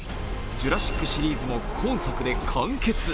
「ジュラシック」シリーズも今作で完結。